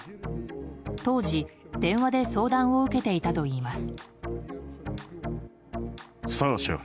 当時、電話で相談を受けていたといいます。